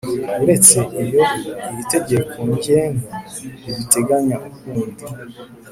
Uretse iyo iri tegeko ngenga ribiteganya ukundi